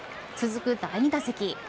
続く第２打席。